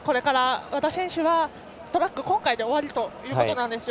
和田選手はトラック、今回で終わりということなんですよ。